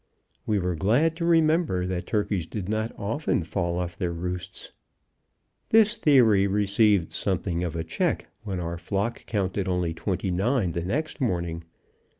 We were glad to remember that turkeys did not often fall off their roosts. This theory received something of a check when our flock counted only twenty nine the next morning.